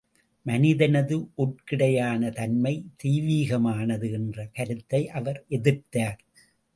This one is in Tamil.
மனிதனது உட்கிடையான தன்மை, தெய்வீகமானது என்ற கருத்தை அவர் எதிர்த்தார்.